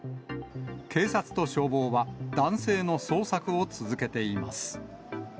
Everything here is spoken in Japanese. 警察と消防は男性の捜索を続けています。